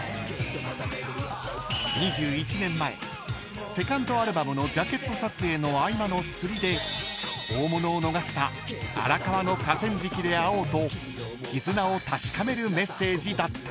［２１年前セカンドアルバムのジャケット撮影の合間の釣りで大物を逃した荒川の河川敷で会おうと絆を確かめるメッセージだった］